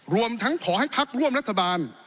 รวมทั้งขอให้พักร่วมรัฐบาล